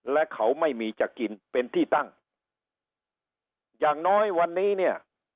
และเขาไม่มีจะกินเป็นที่ตั้งอย่างน้อยวันนี้เนี่ย